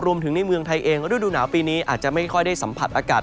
รวมถึงในเมืองไทยเองฤดูหนาวปีนี้อาจจะไม่ค่อยได้สัมผัสอากาศ